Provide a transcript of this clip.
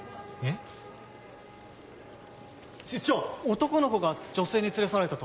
男の子が女性に連れ去られたと。